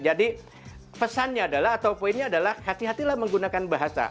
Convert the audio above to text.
jadi pesannya adalah atau poinnya adalah hati hatilah menggunakan bahasa